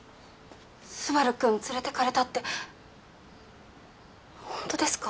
昴くん連れて行かれたって本当ですか？